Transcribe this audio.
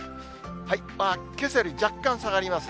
けさより若干下がりますね。